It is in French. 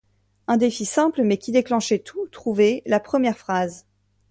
Un défi simple mais qui déclenchait tout : trouver la première phrase.